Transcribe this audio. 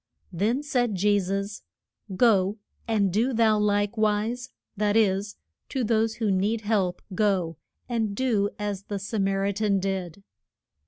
Then said Je sus, Go, and do thou like wise; that is, to those who need help go and do as the Sa mar i tan did.